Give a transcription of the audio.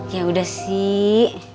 ya udah sih